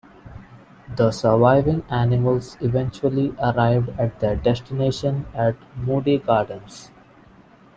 The surviving animals eventually arrived at their destination at Moody Gardens.